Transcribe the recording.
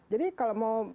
jadi kalau mau